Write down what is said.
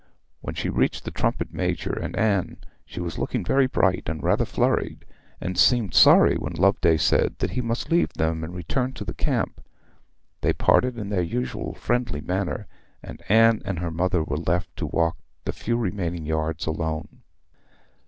When she reached the trumpet major and Anne she was looking very bright and rather flurried, and seemed sorry when Loveday said that he must leave them and return to the camp. They parted in their usual friendly manner, and Anne and her mother were left to walk the few remaining yards alone.